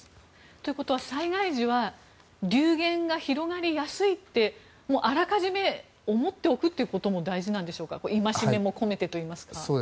ということは災害時は流言が広がりやすいってあらかじめ思っておくことも大事なんでしょうか戒めも込めてというか。